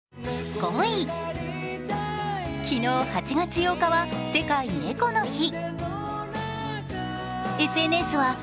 昨日、８月８日は世界猫の日。